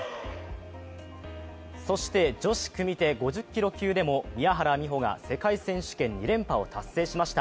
女子組手５０ｋｇ級でも宮原美穂が世界選手権２連覇を達成しました。